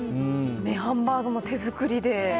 ハンバーグも手作りで。